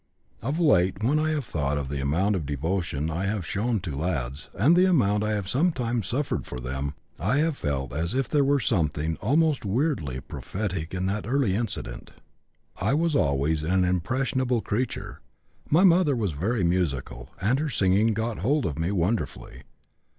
Of late, when I have thought of the amount of devotion I have shown to lads, and the amount I have sometimes suffered for them, I have felt as if there were something almost weirdly prophetic in that early incident. "I was always an impressionable creature. My mother was very musical, and her singing 'got hold' of me wonderfully.